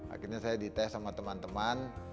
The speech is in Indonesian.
akhirnya saya di tes sama teman teman